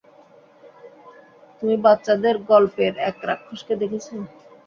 তুমি বাচ্চাদের গল্পের এক রাক্ষসকে দেখেছো?